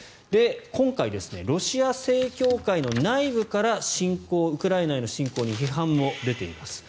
今回、ロシア正教会の内部からウクライナへの侵攻に批判も出ています。